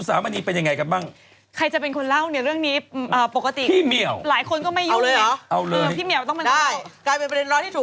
สรุปยังไงอย่างขวัญอุตสามารถนี้